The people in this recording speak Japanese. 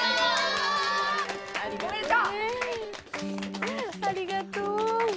ありがとう。